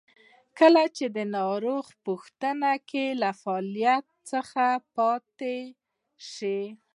کله چې د ناروغ پښتورګي له فعالیت څخه پاتې شي.